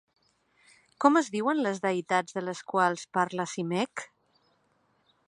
Com es diuen les deïtats de les quals parla Simek?